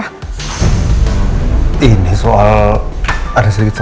kita juga bisa cari casi apa